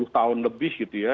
lima puluh tahun lebih gitu ya